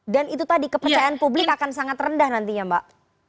dan itu tadi kepercayaan publik akan sangat rendah nantinya mbak